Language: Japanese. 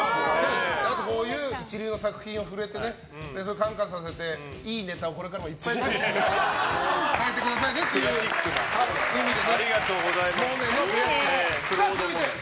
あとこういう一流の作品に触れて感化されていいネタをこれからもいっぱい書いてくださいねっていう意味でモネのペアチケット。